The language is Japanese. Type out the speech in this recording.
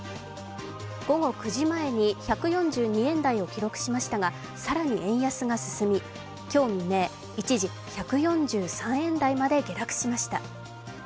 午後９時前に１４２円台を記録しましたが更に円安が進み、今日未明、一時１４３円台まで下落しました。